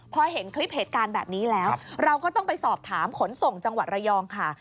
พอเห็นคลิปเหตุการณ์แบบนี้แล้วเราก็ต้องไปสอบถามขนส่งจังหวัดระยองค่ะ